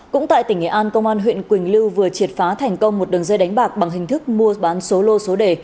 cũng tại tỉnh nghệ an công an huyện quỳnh lưu vừa triệt phá thành công một đường dây đánh bạc bằng hình thức mua bán số lô số đề